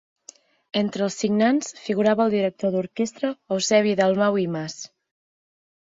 Entre els signants figurava el director d'orquestra Eusebi Dalmau i Mas.